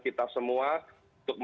kita semua untuk